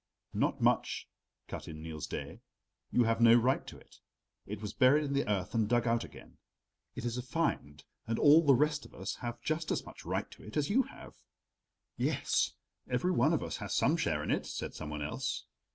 "Not much," cut in Niels Daae; "you have no right to it. It was buried in the earth and dug out again; it is a find, and all the rest of us have just as much right to it as you have." "Yes, everyone of us has some share in it," said some one else.